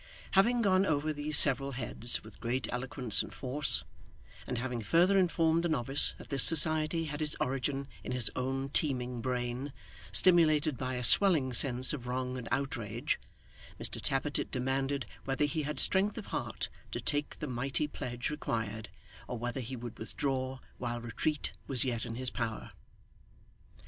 Having gone over these several heads with great eloquence and force, and having further informed the novice that this society had its origin in his own teeming brain, stimulated by a swelling sense of wrong and outrage, Mr Tappertit demanded whether he had strength of heart to take the mighty pledge required, or whether he would withdraw while retreat was yet in his power.